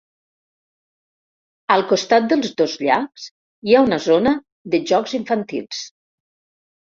Al costat dels dos llacs hi ha una zona de jocs infantils.